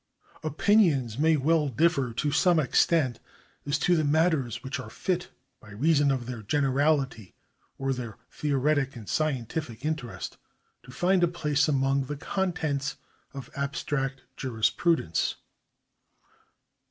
Opinions may well differ to some extent as to the matters which are fit, by reason of their generality or their theoretic and scientific interest, to find a place among the contents of abstract jurisprudence.